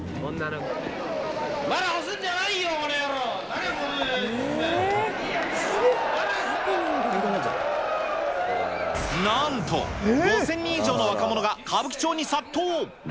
お前ら、押すんじゃないよ、なんと、５０００人以上の若者が歌舞伎町に殺到。